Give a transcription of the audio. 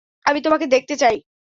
আমি তোমাকে দেখতে চাই।